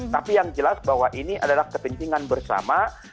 tapi yang jelas bahwa ini adalah kepentingan bersama